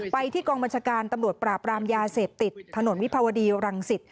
ไปที่กองบัญชาการตำรวจปราบรามยาเสพติดถนนวิภาวดีรังสิต